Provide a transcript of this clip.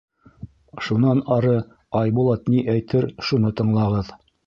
Шунан ары Айбулат ни әйтер, шуны тыңлағыҙ.